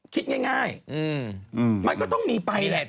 คิดง่ายมันก็ต้องมีไปแหละ